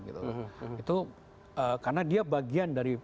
itu karena dia bagian dari